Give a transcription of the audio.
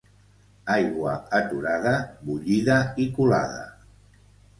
Aigua aturada, bullida i colada.